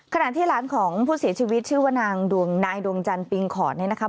ขณะที่หลานของผู้เสียชีวิตชื่อว่านางดวงนายดวงจันทร์ปิงขอดเนี่ยนะครับ